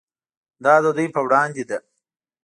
دا د دوی په وړاندې ده.